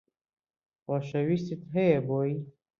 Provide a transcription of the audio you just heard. خۆشەویستیت هەیە بۆی